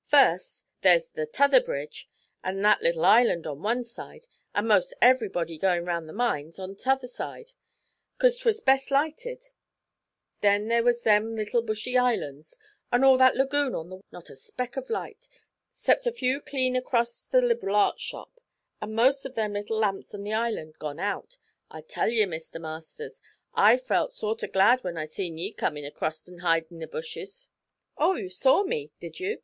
First, there's the t'other bridge, and that little island on one side, and most everybody goin' round the Mines on t'other side, 'cause 'twas best lighted; then there was them little bushy islands, an' all that lagoon on the west of 'em; an' on the east not a speck of light, 'cept a few clean acrost to the Lib'ral Arts shop, and most all them little lamps on the island gone out. I tell ye, Mr. Masters, I felt sort o' glad when I seen ye come acrost an' hide in the bushes.' 'Oh, you saw me, did you?'